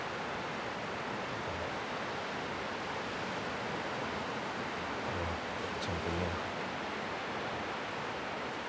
でも俺はちゃんと言えなかった。